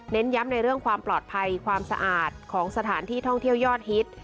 ย้ำในเรื่องความปลอดภัยความสะอาดของสถานที่ท่องเที่ยวยอดฮิต